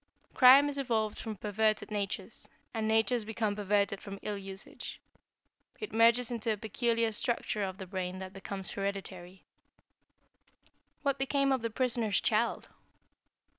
Crime is evolved from perverted natures, and natures become perverted from ill usage. It merges into a peculiar structure of the brain that becomes hereditary." "What became of the prisoner's child?"